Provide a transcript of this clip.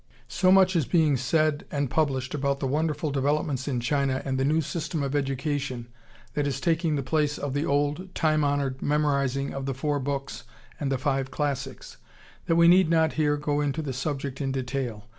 ] So much is being said and published about the wonderful developments in China and the new system of education that is taking the place of the old, time honored memorizing of the "Four Books" and the "Five Classics," that we need not here go into the subject in detail.